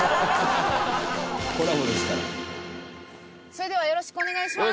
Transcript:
それではよろしくお願いします。